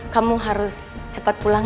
kamu harus cepet pulang